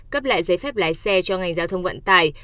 cấp lại giấy phép lái xe cho ngành giao thông vận tải